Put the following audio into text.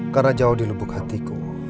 karena jauh di lubuk hatiku